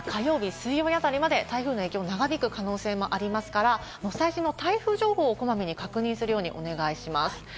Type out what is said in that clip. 水曜日あたりまで台風の影響が長引く可能性もありますから、最新の台風情報をこまめに確認するようにしてください。